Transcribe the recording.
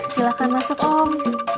silahkan masuk om